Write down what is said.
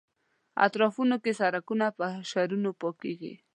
اطرافونو کې سړکونه په حشرونو پاکېږي.